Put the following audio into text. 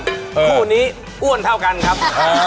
คู่นี้อ้วนเท่ากันครับ